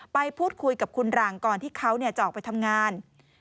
ไปพูดคุยกับคุณหลังก่อนที่เขาจะออกไปทำงาน